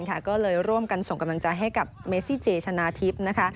ก็เลยร่วมกันส่งกำลังใจให้กับเมซิเจชนะทิพย์นะคะ